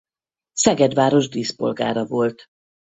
Szeged város díszpolgára volt.